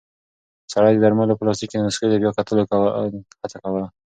سړی د درملو په پلاستیک کې د نسخې د بیا کتلو هڅه کوله.